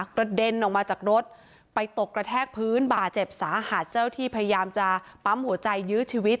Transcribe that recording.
กระเด็นออกมาจากรถไปตกกระแทกพื้นบาดเจ็บสาหัสเจ้าที่พยายามจะปั๊มหัวใจยื้อชีวิต